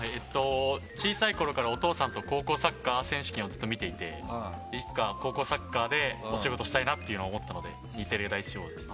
小さいころからお父さんと高校サッカー選手権をずっと見ていていつか高校サッカーでお仕事したいなと思ったので日テレが第１志望です。